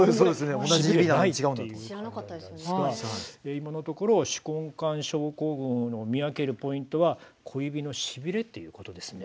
今のところ手根管症候群を見分けるポイントは小指のしびれということですね。